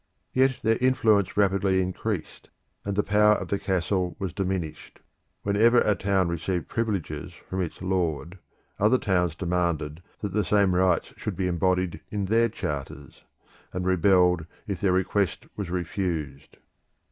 Yet their influence rapidly increased, and the power of the castle was diminished. Whenever a town received privileges from its lord, other towns demanded that the same rights should be embodied in their charters, and rebelled if their request was refused.